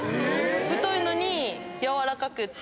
太いのにやわらかくって。